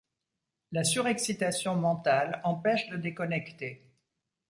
La surexcitation mentale empêche de déconnecter.